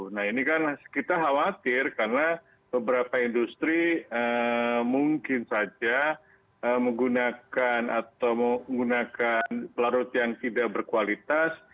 nah ini kan kita khawatir karena beberapa industri mungkin saja menggunakan atau menggunakan pelarut yang tidak berkualitas